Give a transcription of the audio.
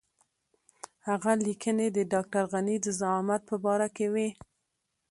هغه لیکنې د ډاکټر غني د زعامت په باره کې وې.